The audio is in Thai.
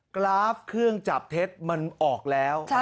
กราฟเครื่องจับเท็จมันออกแล้ว